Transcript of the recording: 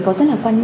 có rất là